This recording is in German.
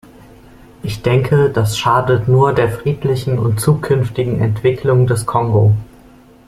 Ich denke, das schadet nur der friedlichen und zukünftigen Entwicklung des Kongo.